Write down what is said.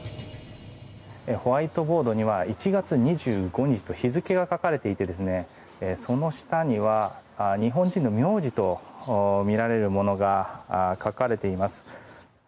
ホワイトボードには１月２５日と日付が書かれていてその下には日本人の名字とみられるものが書かれています。